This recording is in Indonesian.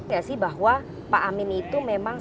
tidak sih bahwa pak amin itu memang